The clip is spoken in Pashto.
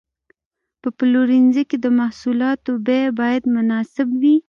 په پلورنځي کې د محصولاتو بیه باید مناسب وي.